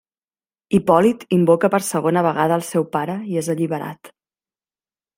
Hipòlit invoca per segona vegada al seu pare i és alliberat.